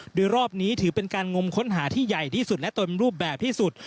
โดยรอบนี้ถือเป็นการงมค้นหาที่ใหญ่ที่สุดและตนรูปแบบที่สุด